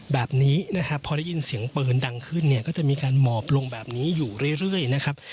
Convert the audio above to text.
แบบนี้นะครับพอได้ยินเสียงปืนดังขึ้นเนี่ยก็จะมีการหมอบลงแบบนี้อยู่เรื่อยนะครับ